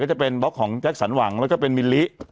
จะเป็นบล็อกของแจ็คสันหวังแล้วก็เป็นมิลลิ